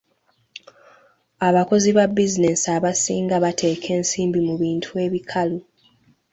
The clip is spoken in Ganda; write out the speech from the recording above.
Abakozi ba bizinensi abasinga bateeka ensimbi mu bintu ebikalu.